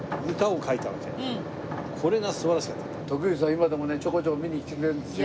今でもねちょこちょこ見に来てくれるんですよ。